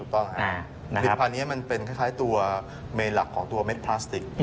ผลิตภัณฑ์นี้มันเป็นคล้ายตัวเมนหลักของตัวเม็ดพลาสติก